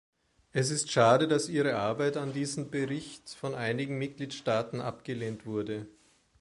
Es ist schade, dass ihre Arbeit an diesem Bericht von einigen Mitgliedstaaten abgelehnt wurde.